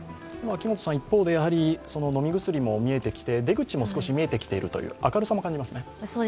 一方で、飲み薬も見えてきて、出口も少し見えてきているという明るさも感じますね。